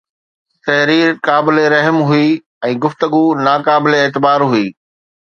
تحرير قابل رحم هئي ۽ گفتگو ناقابل اعتبار هئي